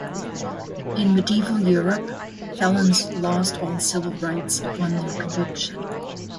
In medieval Europe, felons lost all civil rights upon their conviction.